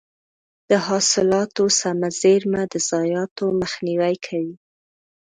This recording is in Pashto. د حاصلاتو سمه زېرمه د ضایعاتو مخنیوی کوي.